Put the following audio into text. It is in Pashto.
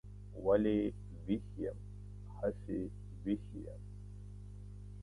ولې ویښ یم؟ هسې ویښ یم.